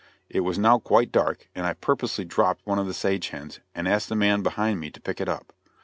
It was now quite dark, and I purposely dropped one of the sage hens, and asked the man behind me to pick it up.